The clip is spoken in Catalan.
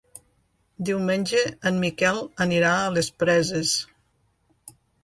Diumenge en Miquel anirà a les Preses.